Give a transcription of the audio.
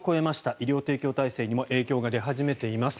医療提供体制にも影響が出始めています。